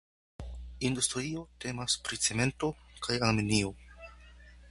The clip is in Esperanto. Industrio temas pri cemento kaj aluminio.